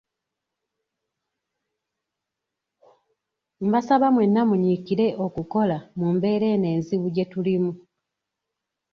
Mbasaba mwenna munyiikirire okukola mu mbeera eno enzibu gye tulimu.